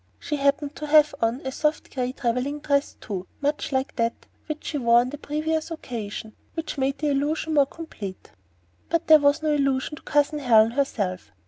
She happened to have on a soft gray travelling dress too, much like that which she wore on the previous occasion, which made the illusion more complete. But there was no illusion to Cousin Helen herself.